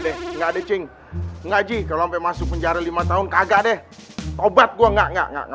deh enggak deh cing ngaji kalau masuk penjara lima tahun kagak deh obat gua enggak enggak enggak